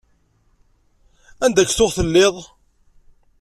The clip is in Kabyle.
Anida k-tuɣ telliḍ?